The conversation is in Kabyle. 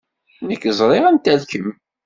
Nekk ẓriɣ anta kemm.